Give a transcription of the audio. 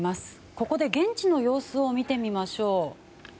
ここで現地の様子を見てみましょう。